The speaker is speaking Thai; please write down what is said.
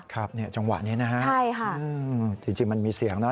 ครับจังหวะนี้นะฮะจริงมันมีเสียงนะ